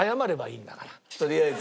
とりあえず。